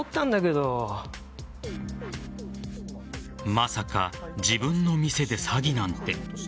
まさか、自分の店で詐欺なんて。